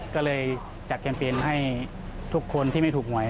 ก็เลยจัดแคมเปญให้ทุกคนที่ไม่ถูกหวย